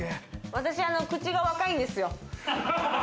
私、口が若いんですよ。